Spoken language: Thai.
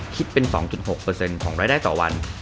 คิดเป็น๒๖ของรายได้ต่อวัน